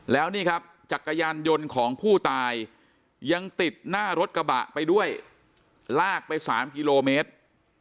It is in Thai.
แล้วนี่ครับจักรยานยนต์ของผู้ตายยังติดหน้ารถกระบะไปด้วยลากไป๓กิโลเมตร